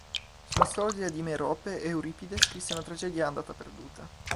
Sulla storia di Merope Euripide scrisse una tragedia andata perduta.